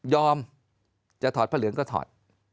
จะถอดพระเหลืองก็ถอด